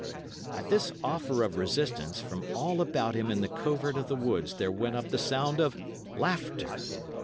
At this offer of resistance, from all about him in the covert of the woods there went up the sound of laughter.